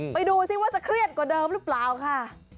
ดูสิว่าจะเครียดกว่าเดิมหรือเปล่าค่ะ